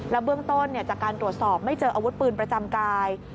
เบื้องต้นจากการตรวจสอบไม่เจออาวุธปืนประจำกาย